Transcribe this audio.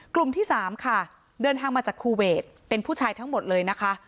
กลุ่มที่๓ค่ะเดินทางมาจากคูเวทเป็นผู้ชายทั้งหมดเลยนะคะ